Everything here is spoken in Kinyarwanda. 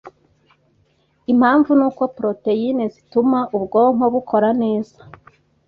Impamvu ni uko poroteyine zituma ubwonko bukora neza